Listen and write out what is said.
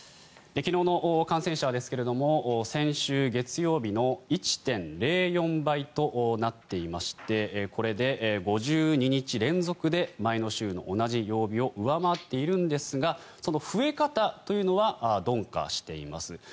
昨日の感染者ですが先週月曜日の１．０４倍となっていましてこれで５２日連続で前の週の同じ曜日を上回っているんですがその増え方というのは鈍化しています。